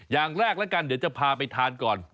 อย่างแรกแล้วกันเดี๋ยวจะพาไปทานก่อน